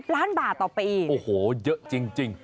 ล้านบาทต่อปีโอ้โหเยอะจริง